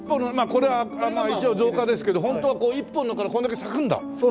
これは一応造花ですけど本当はこう１本からこれだけ咲くんだ？